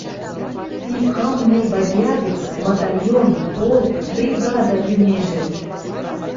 Ти кым-нӹл бадья гӹц батальон, полк, бригада йӱнежӹ.